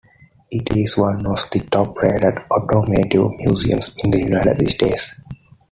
It is one of the top-rated automotive museums in the United States.